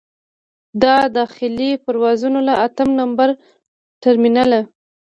د داخلي پروازونو له اتم نمبر ټرمینله.